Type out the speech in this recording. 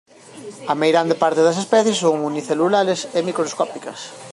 A meirande parte das especies son unicelulares e microscópicas.